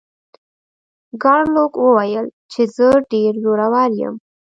ګارلوک وویل چې زه ډیر زورور یم.